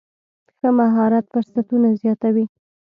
ښه مهارت فرصتونه زیاتوي.